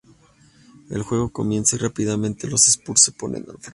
El juego comienza y rápidamente los Spurs se ponen al frente.